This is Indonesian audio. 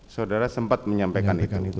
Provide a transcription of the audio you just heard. saudara sempat menyampaikan itu